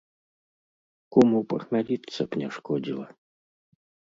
Куму пахмяліцца б не шкодзіла.